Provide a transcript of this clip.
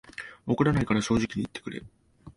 怒らないから正直に言ってくれ